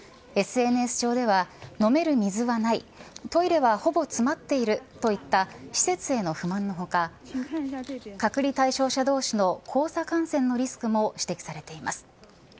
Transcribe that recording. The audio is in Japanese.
ＳＮＳ上では飲める水はないトイレはほぼ詰まっているといった施設への不満の他隔離対象者同士の交差感染のリスクも指摘されています。